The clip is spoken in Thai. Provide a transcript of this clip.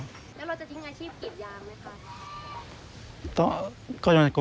แล้วเราจะทิ้งอาชีพกรีดยางไหมคะ